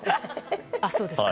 あ、そうですか。